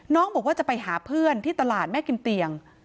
บอกว่าจะไปหาเพื่อนที่ตลาดแม่กิมเตียง